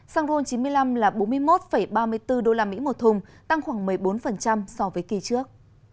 xăng ron chín mươi năm là bốn mươi một ba mươi bốn usd một thùng tăng khoảng một mươi bốn so với kỳ trước